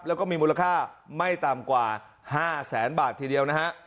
แล้วก็มีมูลค่าไม่ต่ำกว่า๕แสนบาททีเดียวนะฮะ